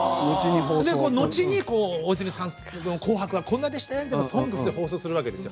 後に大泉さんの「紅白」はこんな感じでしたよと放送をするわけです。